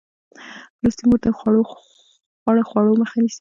لوستې مور د غوړو خوړو مخه نیسي.